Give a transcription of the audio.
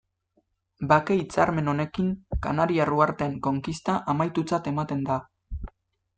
Bake hitzarmen honekin, Kanariar uharteen konkista, amaitutzat ematen da.